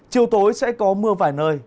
chiều tối sẽ có mưa vài nơi